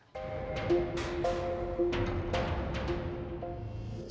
selain mendapatkan bantuan dari teman teman